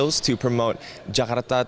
untuk mempromosikan kultur turisme jakarta